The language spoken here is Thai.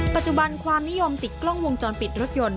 ปัจจุบันความนิยมติดกล้องวงจรปิดรถยนต์